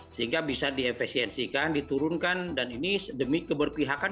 sehingga bisa diefesiensikan diturunkan dan ini demi keberpihakan